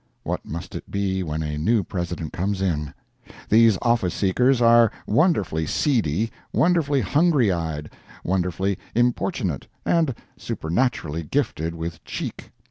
What must it be when a new President comes in! These office seekers are wonderfully seedy, wonderfully hungry eyed, wonderfully importunate, and supernaturally gifted with "cheek."